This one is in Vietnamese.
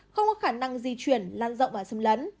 không có khả năng di chuyển lan rộng và xâm lấn